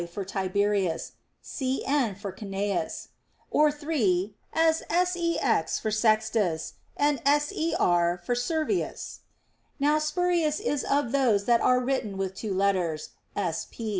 for Tiberius, Cn. for Cnaeus ; or three, as Sex. for Sextus, and Ser. for Servius. Now Spurius is of those that are written with two letters, Sp.